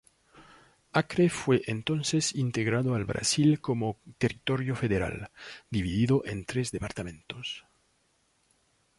Acre fue entonces integrado al Brasil como territorio federal, dividido en tres departamentos.